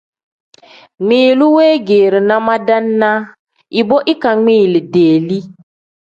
Ngmiilu weegeerina madaana ibo ikangmiili deeli.